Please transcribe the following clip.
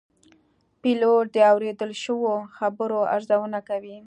پیلوټ د اورېدل شوو خبرونو ارزونه کوي.